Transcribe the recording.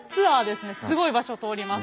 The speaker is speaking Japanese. すごい場所を通ります。